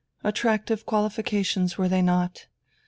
Attractive qualifications, were they not?